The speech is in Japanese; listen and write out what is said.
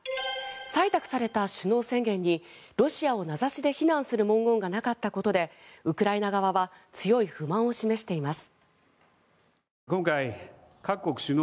採択された首脳宣言にロシアを名指しで非難する文言がなかったことでウクライナ側は強い不満を示しています。